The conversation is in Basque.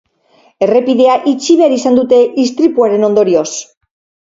Errepidea itxi behar izan dute istripuaren ondorioz.